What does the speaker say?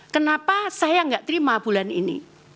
kenapa saya nggak terima bulan ini